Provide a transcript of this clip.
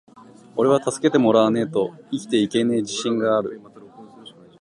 ｢おれは助けてもらわねェと生きていけねェ自信がある!!!｣